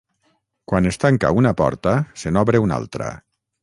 Quan es tanca una porta, se n'obre una altra.